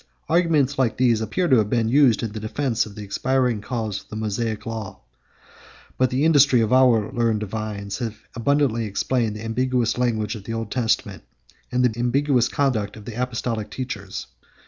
Arguments like these appear to have been used in the defence of the expiring cause of the Mosaic law; but the industry of our learned divines has abundantly explained the ambiguous language of the Old Testament, and the ambiguous conduct of the apostolic teachers.